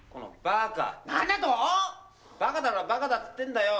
「バカだからバカだっつってんだよ」